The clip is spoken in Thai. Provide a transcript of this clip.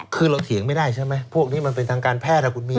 คือเราเถียงไม่ได้ใช่ไหมพวกนี้มันเป็นทางการแพทย์คุณมี